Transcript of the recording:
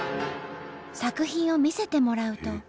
作品を見せてもらうと。